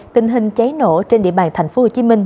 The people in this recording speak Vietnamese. tình hình cháy nổ trên địa bàn thành phố hồ chí minh